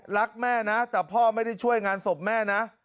รักแม่นะแต่พ่อไม่ได้ช่วยงานศพแม่นะ